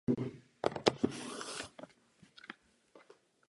Je to dobře, ale nestačí to.